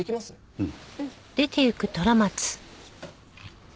うん。